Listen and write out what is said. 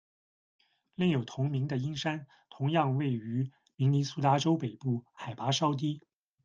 另有同名的鹰山同样位于明尼苏达州北部，海拔稍低。